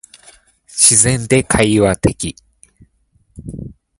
自然で会話的